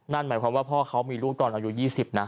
นั่นหมายความว่าพ่อเขามีลูกตอนอายุ๒๐นะ